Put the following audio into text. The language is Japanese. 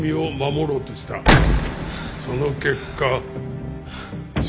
その結果。